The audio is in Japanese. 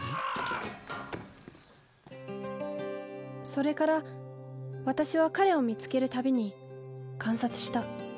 それから私は彼を見つける度に観察した。